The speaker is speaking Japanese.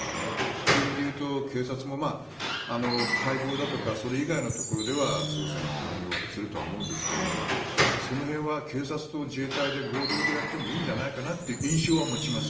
そういう意味では警察も解剖だとかそれ以外のところでは捜査に対応するとは思うんですがその辺は警察と自衛隊で合同でやってもいいのではという印象は持ちます。